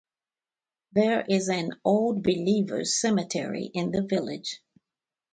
There is an Old Believers cemetery in the village.